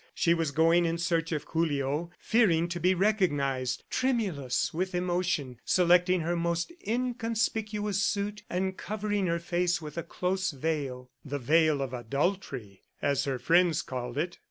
She was going in search of Julio, fearing to be recognized, tremulous with emotion, selecting her most inconspicuous suit, and covering her face with a close veil "the veil of adultery," as her friends called it.